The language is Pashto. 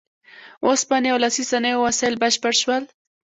اوسپنې او لاسي صنایعو وسایل بشپړ شول.